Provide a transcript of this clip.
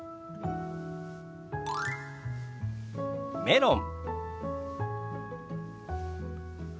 「メロン」。